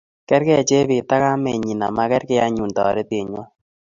kargei jebet ak kamennyi ama kergei anyun taretet ng'wai